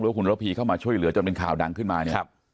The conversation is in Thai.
คุณระพีเข้ามาช่วยเหลือจนเป็นข่าวดังขึ้นมาเนี่ย